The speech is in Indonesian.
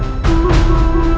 ibu bunda disini nak